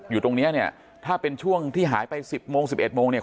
อยู่ตรงเนี้ยเนี่ยถ้าเป็นช่วงที่หายไปสิบโมง๑๑โมงเนี่ย